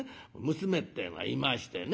娘ってえのがいましてね